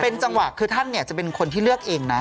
เป็นจังหวะคือท่านเนี่ยจะเป็นคนที่เลือกเองนะ